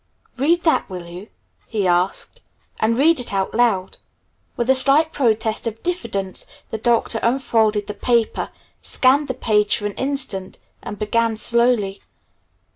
"Read that, will you?" he asked. "And read it out loud." With a slight protest of diffidence, the Doctor unfolded the paper, scanned the page for an instant, and began slowly.